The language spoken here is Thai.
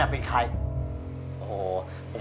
จัดเต็มให้เลย